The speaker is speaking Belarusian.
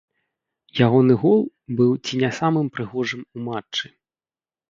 Ягоны гол быў ці не самым прыгожым у матчы.